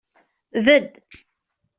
Bed!